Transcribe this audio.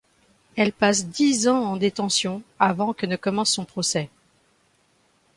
Elle passe dix ans en détention, avant que ne commence son procès.